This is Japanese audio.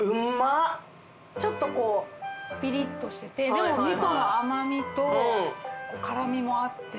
ちょっとこうピリっとしててでも味噌の甘みと辛みもあって。